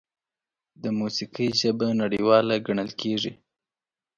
د موسیقۍ ژبه نړیواله ګڼل کېږي.